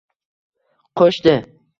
Qo‘shdi.